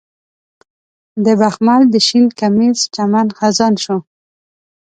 د بخمل د شین کمیس چمن خزان شو